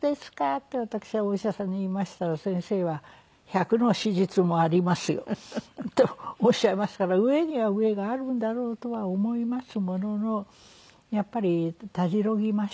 って私はお医者さんに言いましたら先生は「１００の手術もありますよ」とおっしゃいますから上には上があるんだろうとは思いますもののやっぱりたじろぎましたし。